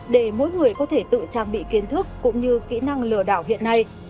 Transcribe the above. để mỗi người có thể tự trang bị kiến thức cũng như kỹ năng lừa đảo hiện nay